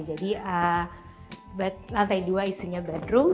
jadi lantai dua isinya bedroom